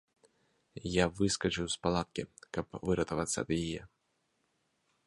Я выскачыў з палаткі, каб выратавацца ад яе.